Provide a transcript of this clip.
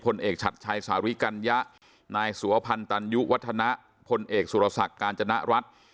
เอกชัดชัยสาริกัญญะนายสุวพันธ์ตันยุวัฒนะพลเอกสุรศักดิ์กาญจนรัฐ